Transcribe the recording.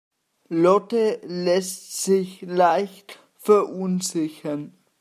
Lotte lässt sich leicht verunsichern.